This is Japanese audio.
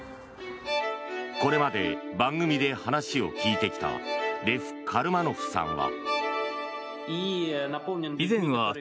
これまで番組で話を聞いてきたレフ・カルマノフさんは。